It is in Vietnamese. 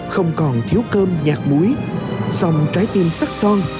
không còn thiếu cơm nhạc muối song trái tim sắc son